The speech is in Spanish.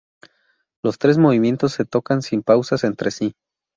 Los tres movimientos se tocan sin pausas entre sí.